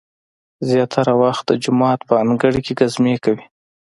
زیاتره وخت د جومات په انګړ کې ګزمې کوي.